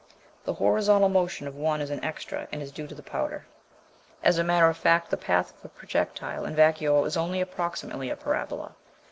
The horizontal motion of one is an extra, and is due to the powder. As a matter of fact the path of a projectile in vacuo is only approximately a parabola.